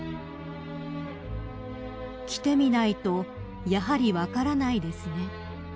［「来てみないとやはり分からないですね」